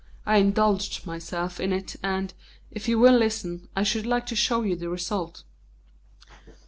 I indulged myself in it and, if you will listen, I should like to show you the result."